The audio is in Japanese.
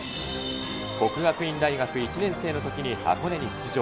國學院大学１年生のときに箱根に出場。